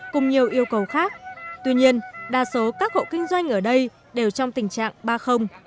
cùng nhiều yêu cầu khác tuy nhiên đa số các hộ kinh doanh ở đây đều trong tình trạng ba